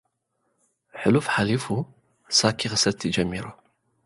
ሕሉፍ ሓሊፉ ሳኪ ኽሰቲ ጀሚሩ።